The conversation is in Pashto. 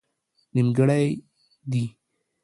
نيمګړئ دي